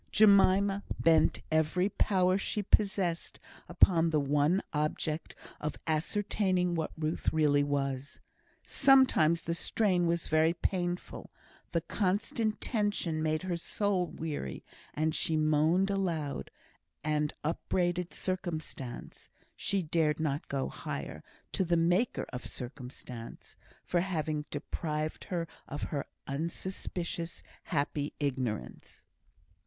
Jemima bent every power she possessed upon the one object of ascertaining what Ruth really was. Sometimes the strain was very painful; the constant tension made her soul weary; and she moaned aloud, and upbraided circumstance (she dared not go higher to the Maker of circumstance) for having deprived her of her unsuspicious happy ignorance.